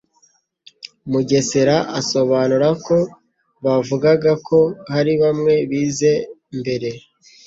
Mugesera asobanura ko bavugaga ko hari bamwe bize mbere